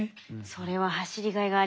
それは走りがいがありますね。